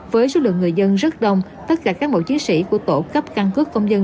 với số lượng người dân rất đông tất cả các bộ chiến sĩ của tổ cấp căn cước công dân